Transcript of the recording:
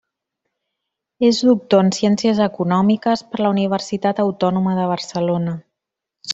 És doctor en Ciències Econòmiques per la Universitat Autònoma de Barcelona.